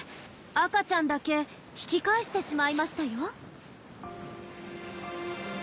赤ちゃんだけ引き返してしまいましたよ。